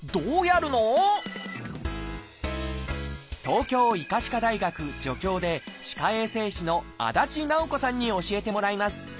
東京医科歯科大学助教で歯科衛生士の安達奈穂子さんに教えてもらいます。